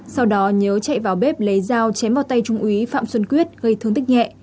sau đó nhớ chạy vào bếp lấy dao chém vào tay trung úy phạm xuân quyết gây thương tích nhẹ